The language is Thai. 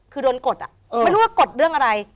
คือโดนกดไม่รู้ว่ากดเรื่องอะไร